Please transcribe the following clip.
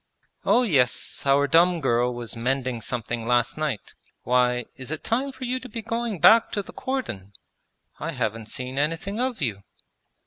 'Oh yes, our dumb girl was mending something last night. Why, is it time for you to be going back to the cordon? I haven't seen anything of you!'